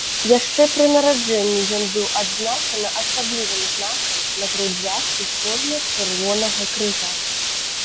Яшчэ пры нараджэнні ён быў адзначаны асаблівым знакам на грудзях у форме чырвонага крыжа.